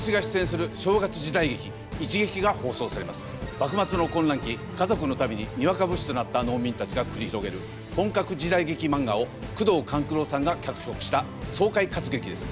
幕末の混乱期家族のためににわか武士となった農民たちが繰り広げる本格時代劇漫画を宮藤官九郎さんが脚色した爽快活劇です。